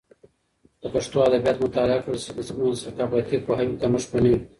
که پښتو ادبیات مطالعه کړل سي، نو د ثقافتي پوهاوي کمښت به نه وي.